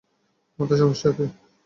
মাথায় সমস্যা নাকি?